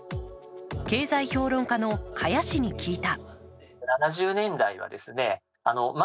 経済評論家の加谷氏に聞いた。